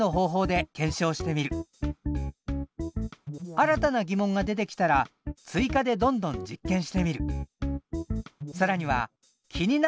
新たな疑問が出てきたら追加でどんどん実験してみる。